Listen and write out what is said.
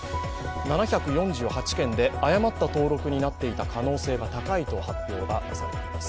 ７４８件で誤った登録になっていた可能性が高いと発表がされています。